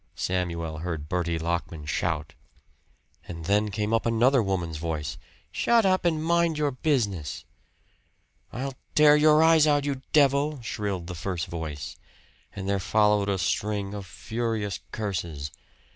Samuel heard Bertie Lockman shout. And then came another woman's voice "Shut up and mind your business!" "I'll tear your eyes out, you devil!" shrilled the first voice, and there followed a string of furious curses.